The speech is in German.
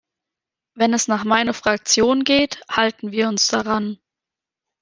Wenn es nach meiner Fraktion geht, halten wir uns daran.